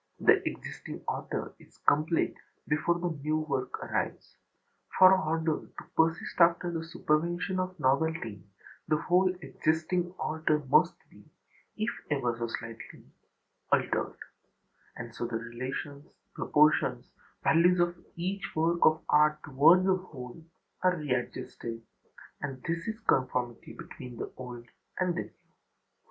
The existing order is complete before the new work arrives; for order to persist after the supervention of novelty, the whole existing order must be, if ever so slightly, altered; and so the relations, proportions, values of each work of art toward the whole are readjusted; and this is conformity between the old and the new.